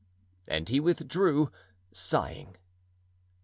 And he withdrew, sighing.